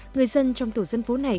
người dân trong tổ dân phố này